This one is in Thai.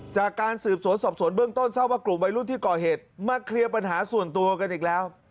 จากการสืบสวนสอบสวนเบื้องต้นทราบว่ากลุ่มวัยรุ่นที่ก่อเหตุมาเคลียร์ปัญหาส่วนตัวกันอีกแล้ว